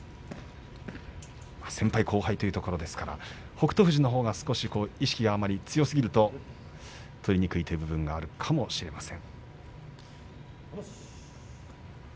先輩後輩というところですから北勝富士のほうが意識が強すぎると取りにくい部分があるかもしれません。